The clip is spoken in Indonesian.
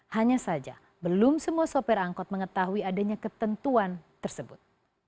hanya saja belum semua sopir angkot mengetahui adanya ketentuan tersebut